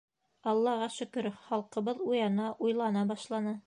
— Аллаға шөкөр, халҡыбыҙ уяна, уйлана башланы.